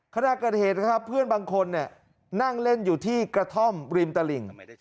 ขณะกระเทศเพื่อนบางคนนั่งเล่นอยู่ที่กระท่อมริมตระหลิ่ง